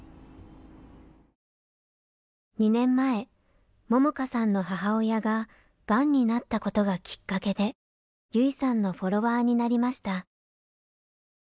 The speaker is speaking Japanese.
２年前桃花さんの母親ががんになったことがきっかけで優生さんのフォロワーになりました。